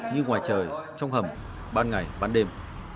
như ngoài trời trong hầm ban ngày ban đêm